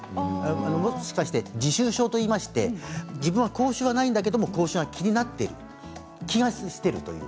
もしかして自臭症といいまして自分は口臭がないんだけれども口臭が気になっている気がしている。